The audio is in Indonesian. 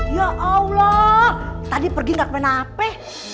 ya allah tadi pergi gak pernah apa